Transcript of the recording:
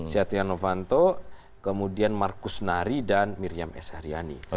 siatria novanto kemudian markus nari dan miriam s hariani